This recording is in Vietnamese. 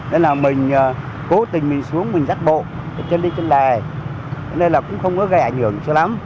nên là mình cố tình mình xuống mình giác bộ chân đi chân lề nên là cũng không có gây ảnh hưởng cho lắm